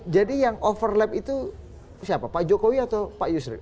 jadi yang overlap itu siapa pak jokowi atau pak yusril